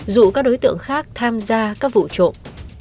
dụ các đối tượng khác tham gia các vụ trộm